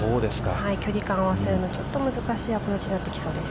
距離感を合わせるのちょっと難しいアプローチになってきそうです。